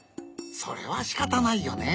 それはしかたないよね。